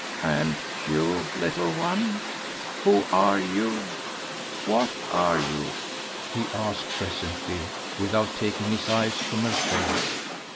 "And you, little one, who are you? what are you?" he asked presently, without taking his eyes from her face.